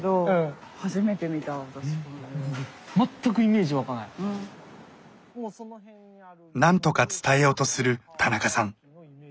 ナショナル何とか伝えようとする田中さん。